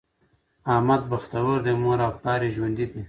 احمد بختور دی؛ مور او پلار یې ژوندي دي.